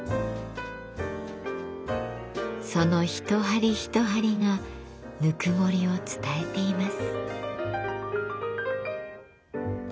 その一針一針がぬくもりを伝えています。